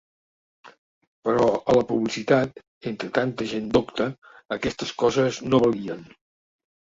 Però a La Publicitat, entre tanta gent docta, aquestes coses no valien!